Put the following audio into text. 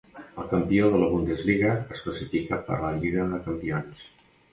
El campió de la Bundesliga es classifica per la Lliga de Campions.